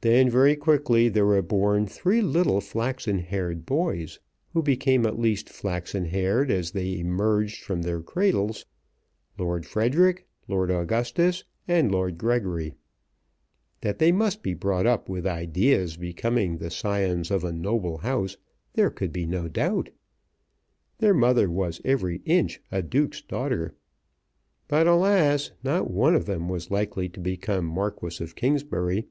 Then very quickly there were born three little flaxen haired boys, who became at least flaxen haired as they emerged from their cradles, Lord Frederic, Lord Augustus, and Lord Gregory. That they must be brought up with ideas becoming the scions of a noble House there could be no doubt. Their mother was every inch a duke's daughter. But, alas, not one of them was likely to become Marquis of Kingsbury.